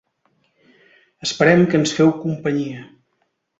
Esperem que ens feu companyia.